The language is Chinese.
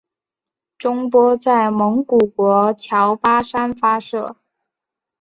中波在蒙古国乔巴山发射。